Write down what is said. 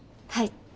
はい。